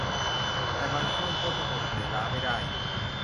แต่บางช่วงก็จะอดเหนื่อยล้าไม่ได้